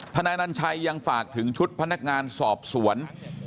นายนัญชัยยังฝากถึงชุดพนักงานสอบสวน